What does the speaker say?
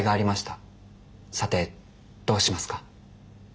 さてどうしますか？